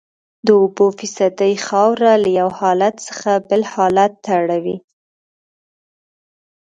د اوبو فیصدي خاوره له یو حالت څخه بل حالت ته اړوي